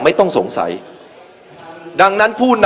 ไม่ว่าจะเป็นท่าน